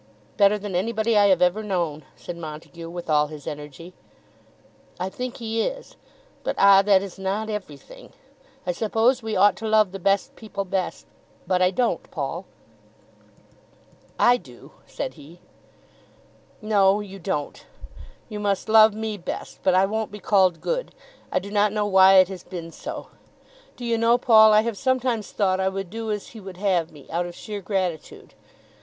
"Better than anybody I have ever known," said Montague with all his energy. "I think he is; but, ah, that is not everything. I suppose we ought to love the best people best; but I don't, Paul." "I do," said he. "No, you don't. You must love me best, but I won't be called good. I do not know why it has been so. Do you know, Paul, I have sometimes thought I would do as he would have me, out of sheer gratitude.